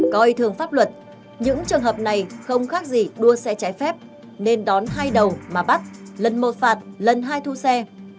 coi thường pháp luật những trường hợp này không khác gì đua xe trái phép nên đón hai đầu mà bắt lần một phạt lần hai thu xe